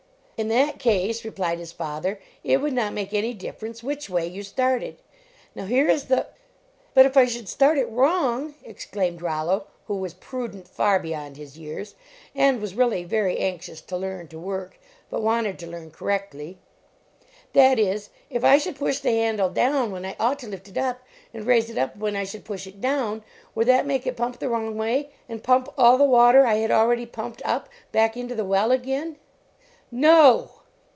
"In that case," replied his father, "it would not make any difference which way you started. Now, here is the " But if I should start it wrong, exclaimed Rollo, who was prudent far beyond his years, and was really very anxious to learn to work, but wanted to learn correctly, "that is, if I should push the handle down when I ought to lift it up, and raise it up when I should push it down, would that make it pump the wrong way, and pump all the water I had already pumped up, back into the well again? " "No!"